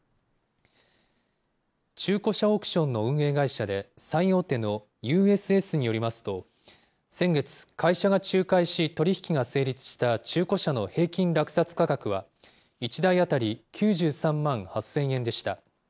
中古車オークションの運営会社で最大手のＵＳＳによりますと、先月、会社が仲介し、取り引きが成立した中古車の平均落札価格は、１台当たり９３万８０００円でした。